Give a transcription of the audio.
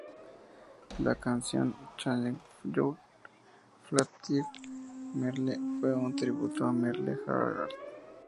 La canción "I'll Change Your Flat Tire, Merle" fue un tributo a Merle Haggard.